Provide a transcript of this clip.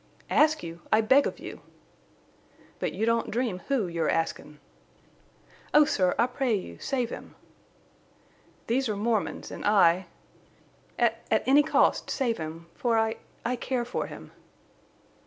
"Ask you? I beg of you!" "But you don't dream who you're askin'." "Oh, sir, I pray you—save him!" "These are Mormons, an' I..." "At—at any cost—save him. For I—I care for him!"